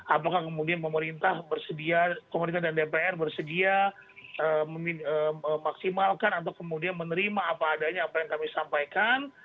apakah kemudian pemerintah bersedia pemerintah dan dpr bersedia memaksimalkan atau kemudian menerima apa adanya apa yang kami sampaikan